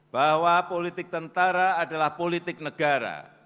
bahwa politik tentara adalah politik negara